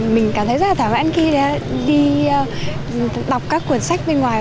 mình cảm thấy rất là thảm vãn khi đi đọc các cuốn sách bên ngoài